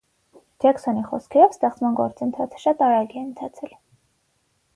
Ջեքսոնի խոսքերով ստեղծման գործընթացը շատ արագ է ընթացել։